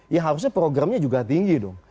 ya harusnya programnya juga tinggi dong